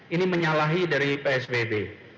ini menyalahi dari psbb